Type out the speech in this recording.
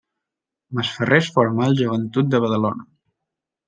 Masferrer es formà al Joventut de Badalona.